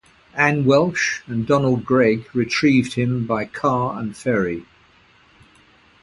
Ann Welch and Donald Greig retrieved him by car and ferry.